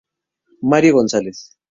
Mario González.